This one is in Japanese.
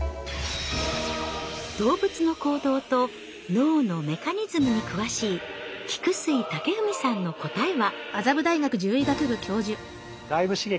動物の行動と脳のメカニズムに詳しい菊水健史さんの答えは？